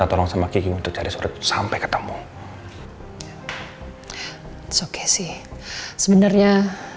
tante bisa merasakannya